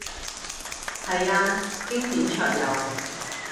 係啊，經典桌遊